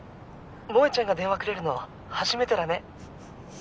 萌ちゃんが電話くれるの初めてだね！